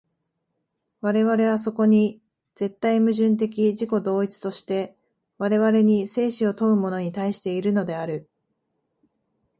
我々はそこに絶対矛盾的自己同一として、我々に生死を問うものに対しているのである。